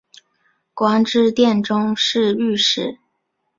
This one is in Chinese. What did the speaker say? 官至殿中侍御史。